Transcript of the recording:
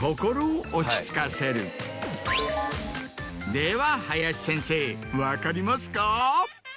では林先生分かりますか？